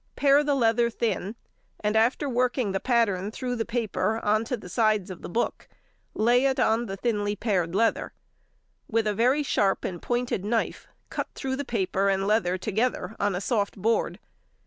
Pare the leather thin, and after working the pattern through the paper on to the sides of the book, lay it on the thinly pared leather; with a very sharp and pointed knife cut through the paper and leather together on a soft board.